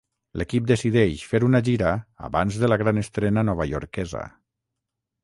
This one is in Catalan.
L'equip decideix fer una gira abans de la gran estrena novaiorquesa.